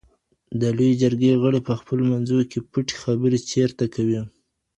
د لویې جرګي غړي په خپلو منځو کي پټې خبري چېرته کوي؟